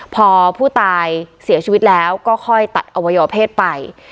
พอผู้ตายเสียชีวิตแล้วก็ค่อยตัดอวัยวเพศไป